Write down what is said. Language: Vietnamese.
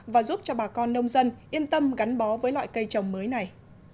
và giúp cho bà con nông dân yên tâm gắn bó với loại cây trồng mới này